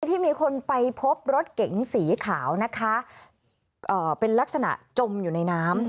ที่มีคนไปพบรถเก๋งสีขาวนะคะเอ่อเป็นลักษณะจมอยู่ในน้ำ